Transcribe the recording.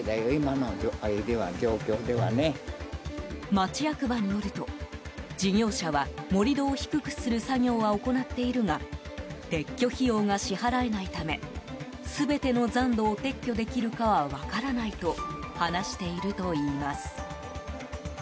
町役場によると、事業者は盛り土を低くする作業は行っているが撤去費用が支払えないため全ての残土を撤去できるかは分からないと話しているといいます。